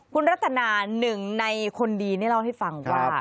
คุณรัฐนาหนึ่งในคนดีนี่เล่าให้ฟังว่า